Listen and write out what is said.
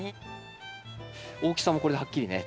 大きさもこれではっきりね